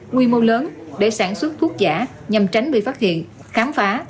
quy mô lớn để sản xuất thuốc giả nhằm tránh bị phát hiện khám phá